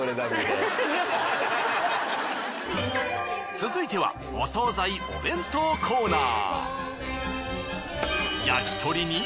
続いてはお惣菜・お弁当コーナー。